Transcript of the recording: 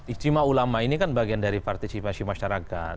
istimewa ulama ini kan bagian dari partisipasi masyarakat